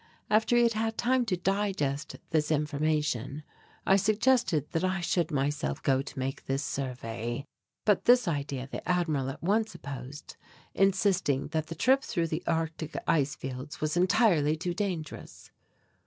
After he had had time to digest this information, I suggested that I should myself go to make this survey. But this idea the Admiral at once opposed, insisting that the trip through the Arctic ice fields was entirely too dangerous.